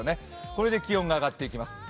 これで気温が上っていきます。